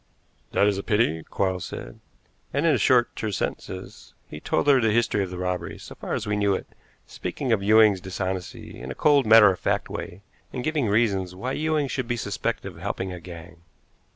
"That is a pity," Quarles said, and in short, terse sentences he told her the history of the robbery, so far as we knew it, speaking of Ewing's dishonesty in a cold, matter of fact way, and giving reasons why Ewing should be suspected of helping a gang.